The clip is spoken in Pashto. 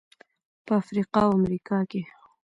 په افریقا او امریکا کې.